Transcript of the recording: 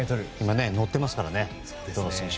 今、乗ってますからね。